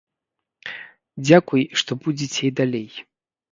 Дзякуй, што будзеце і далей!